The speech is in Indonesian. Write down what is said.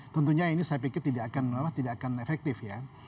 tentunya ini saya pikir tidak akan efektif ya